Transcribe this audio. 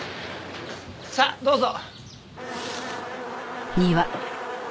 さあどうぞ。